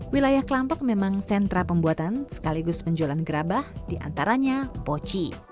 wilayah kelampok memang sentra pembuatan sekaligus penjualan gerabah diantaranya poci